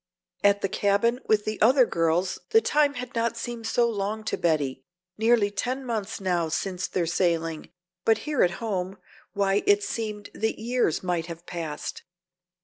At the cabin with the other girls the time had not seemed so long to Betty, nearly ten months now since their sailing, but here at home why it seemed that years might have passed.